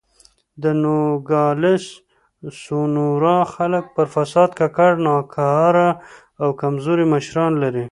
د نوګالس سونورا خلک پر فساد ککړ، ناکاره او کمزوري مشران لري.